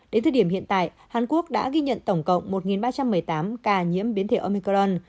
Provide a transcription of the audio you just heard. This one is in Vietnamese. đến thời điểm hiện tại hàn quốc đã ghi nhận tổng cộng một ba trăm một mươi tám ca nhiễm biến thể omicron